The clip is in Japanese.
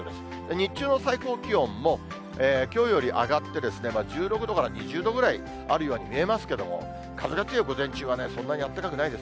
日中の最高気温も、きょうより上がって、１６度から２０度ぐらいあるように見えますけれども、風が強い午前中は、そんなにあったかくないです。